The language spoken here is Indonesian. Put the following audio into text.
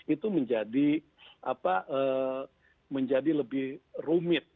itu menjadi lebih rumit